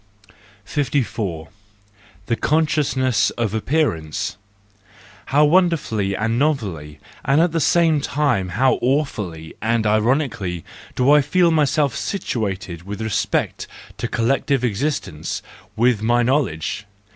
54 The Consciousness of Appearance .—How won¬ derfully and novelly, and at the same time how awfully and ironically, do I feel myself situated with respect to collective existence, with my know , ledge!